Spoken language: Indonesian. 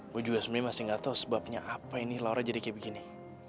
gue juga sebenernya masih gak tau sebabnya apa ini laura jadi kayak begini